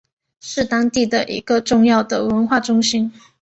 是当地的一个重要的文化中心。